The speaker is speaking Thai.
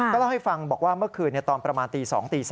เล่าให้ฟังบอกว่าเมื่อคืนตอนประมาณตี๒ตี๓